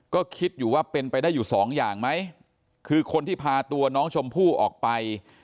ก็คิดอยู่ว่าเป็นไปได้อยู่สองอย่างไหมคือคนที่พาตัวน้องชมพู่ออกไป